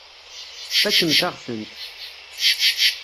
Tfakemt-aɣ-tent.